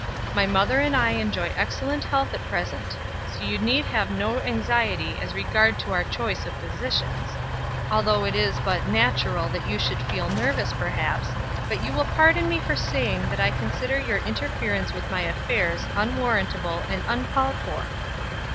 My mother and I enjoy excellent health at present, so you need have no anxiety as regards our choice of physicians, although it is but natural that you should feel nervous, perhaps; but you will pardon me for saying that I consider your interference with my affairs unwarrantable and uncalled for."